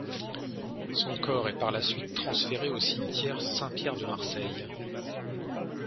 Son corps est par la suite transféré au cimetière Saint-Pierre de Marseille.